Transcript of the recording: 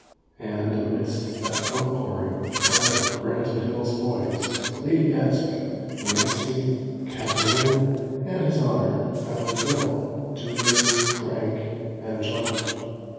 And, amidst that outpouring flood of Branton Hills boys, Lady Gadsby, Nancy, Kathlyn and His Honor found Bill, Julius, Frank and John.